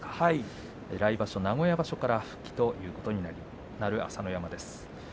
来場所名古屋場所から復帰ということになる朝乃山です。